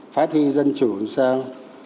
phát huy dân chủ làm sao